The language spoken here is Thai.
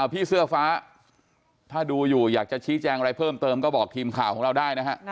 พี่เสื้อฟ้าถ้าดูอยู่อยากจะชี้แจงอะไรเพิ่มเติมก็บอกทีมข่าวของเราได้นะฮะ